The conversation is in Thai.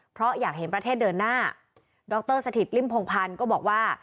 เพราะอยากเห็นประเทศเดินหน้าดรสถิตริมพงพันธ์ก็บอกว่า